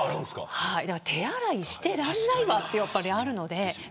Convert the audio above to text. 手洗いしてられないわというのがあるので。